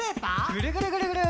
ぐるぐるぐるぐる。